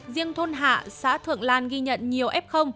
riêng thôn hạ xã thượng lan ghi nhận nhiều f